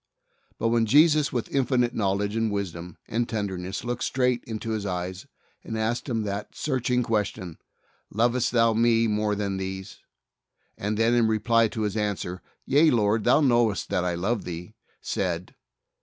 But when Jesus, with infinite knowledge and wisdom and tenderness, looked straight into his eyes and asked him that searching question, "Lovest thou Me more than these?" and then in reply to his answer, "Yea, Lord,. Thou knowest that I love Thee," said